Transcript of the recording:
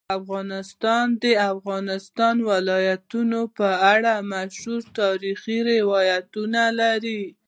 افغانستان د د افغانستان ولايتونه په اړه مشهور تاریخی روایتونه لري.